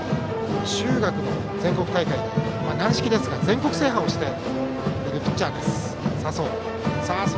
中学の全国大会で軟式ですが全国制覇をしているピッチャーの佐宗です。